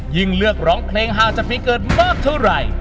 ยิ่งเลือกร้องเพลงหาจะมีเกิดมากเท่าไร